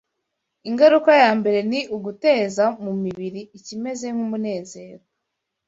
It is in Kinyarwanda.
Ingaruka ya mbere ni uguteza mu mubiri ikimeze nk’umunezero.